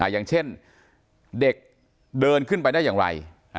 อย่างเช่นเด็กเดินขึ้นไปได้อย่างไร